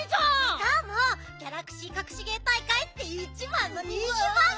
しかも「ギャラクシーかくし芸大会」っていちばんの人気ばんぐみよ！